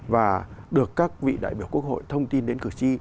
và được các vị đại biểu quốc hội thông tin đến cử tri